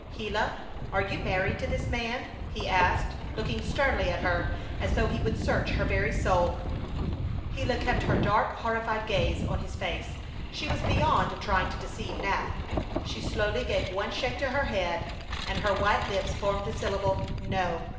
"Gila, are you married to this man?" he asked, looking sternly at her, as though he would search her very soul. Gila kept her dark, horrified gaze on his face. She was beyond trying to deceive now. She slowly gave one shake to her head, and her white lips formed the syllable, "No!"